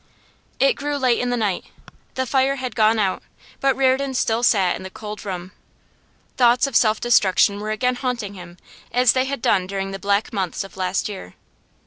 It grew late in the night. The fire had gone out, but Reardon still sat in the cold room. Thoughts of self destruction were again haunting him, as they had done during the black months of last year.